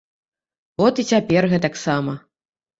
От і цяпер гэтаксама.